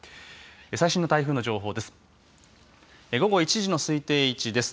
最新の台風の情報です。